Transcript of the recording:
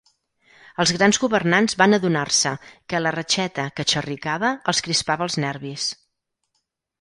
Els gran governants van adonar-se que la reixeta que xerricava els crispava els nervis.